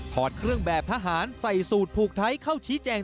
อดเครื่องแบบทหารใส่สูตรผูกไทยเข้าชี้แจง